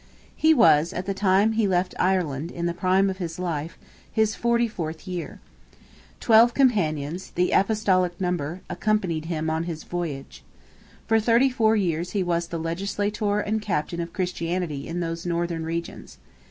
He was, at the time he left Ireland, in the prime of life—his 44th year. Twelve companions, the apostolic number, accompanied him on his voyage. For thirty four years he was the legislator and captain of Christianity in those northern regions.